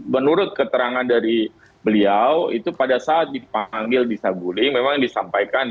menurut keterangan dari beliau itu pada saat dipanggil bisa bullying memang disampaikan ya